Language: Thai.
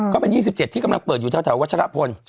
ก็เป็น๒๗ที่กำลังเปิดอยู่แถววัชรพล